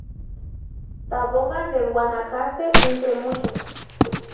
Taboga de Guanacaste, entre muchos.